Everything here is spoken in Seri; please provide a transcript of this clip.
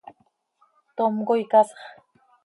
¡Tom coi casx!